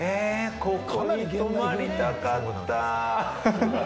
ここに泊まりたかった。